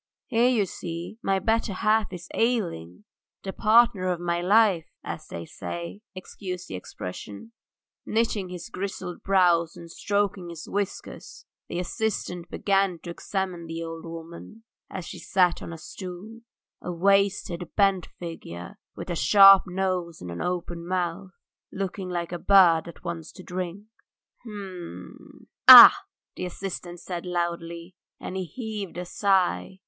Here you see my better half is ailing, the partner of my life, as they say, excuse the expression. ..." Knitting his grizzled brows and stroking his whiskers the assistant began to examine the old woman, and she sat on a stool, a wasted, bent figure with a sharp nose and open mouth, looking like a bird that wants to drink. "H m ... Ah! ..." the assistant said slowly, and he heaved a sigh.